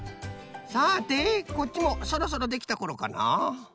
さてこっちもそろそろできたころかな？